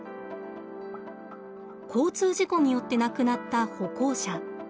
交通事故によって亡くなった歩行者。